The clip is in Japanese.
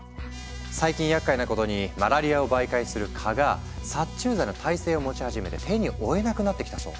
最近やっかいなことにマラリアを媒介する蚊が殺虫剤の耐性を持ち始めて手に負えなくなってきたそう。